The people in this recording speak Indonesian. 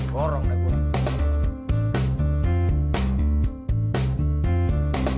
gorong dah gue